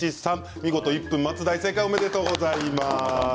見事１分待つ、大正解でございます。